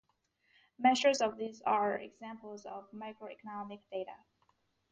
Measures of these are examples of macro-economic data.